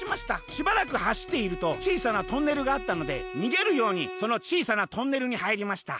しばらくはしっているとちいさなトンネルがあったのでにげるようにそのちいさなトンネルにはいりました。